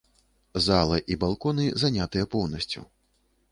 Зала і балконы занятыя поўнасцю.